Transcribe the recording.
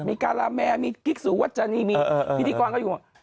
มีการาแมมีกิ๊กสุวัชนีมีพิธีกรก็อยู่